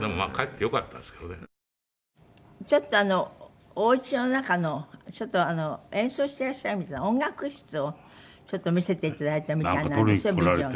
ちょっとお家の中の演奏してらっしゃるみたいな音楽室をちょっと見せて頂いたみたいなんですよ